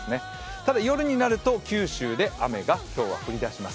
ただ、夜になると九州で雨が今日は降り出します。